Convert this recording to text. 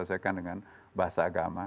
berselesaikan dengan bahasa agama